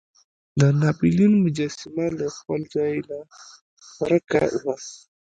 د ناپلیون مجسمه له خپل ځای نه ورک وه.